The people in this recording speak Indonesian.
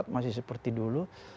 masih seperti dulu